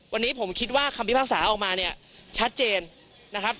วันนี้ผมคิดว่าคำพิพากษาออกมาเนี่ยชัดเจนนะครับ